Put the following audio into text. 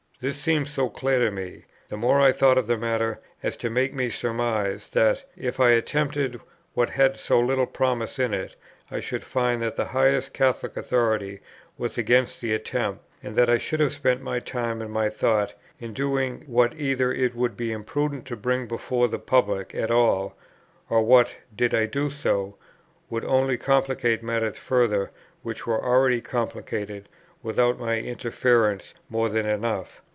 This seemed so clear to me, the more I thought of the matter, as to make me surmise, that, if I attempted what had so little promise in it, I should find that the highest Catholic Authority was against the attempt, and that I should have spent my time and my thought, in doing what either it would be imprudent to bring before the public at all, or what, did I do so, would only complicate matters further which were already complicated, without my interference, more than enough.